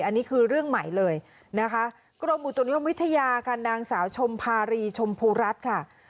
อันนี้คือเรื่องใหม่เลยนะคะกรมอุตุนิยมวิทยาค่ะนางสาวชมภารีชมพูรัฐค่ะ